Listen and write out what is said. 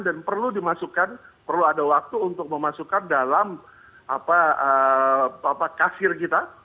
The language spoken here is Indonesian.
dan perlu dimasukkan perlu ada waktu untuk memasukkan dalam kasir kita